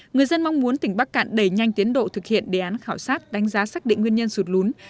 người dân mong muốn tỉnh bắc cạn đẩy nhanh tiến độ thực hiện đề án khảo sát đánh giá xác định nguyên nhân sụt lún